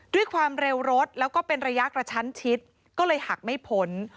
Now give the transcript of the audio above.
ด้วยความเร็วรถแล้วก็เป็นระยะกระชั้นชิดก็เลยหักไม่พ้น